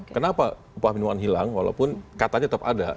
kenapa upah minuman hilang walaupun katanya tetap ada